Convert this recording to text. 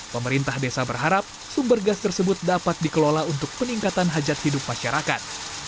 pemerintah desa berharap sumber gas tersebut dapat dikelola untuk peningkatan hajat hidup masyarakat